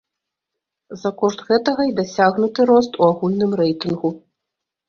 За кошт гэтага і дасягнуты рост у агульным рэйтынгу.